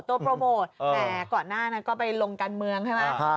แต่ก่อนหน้าก็ไปลงการเมืองใช่ไหม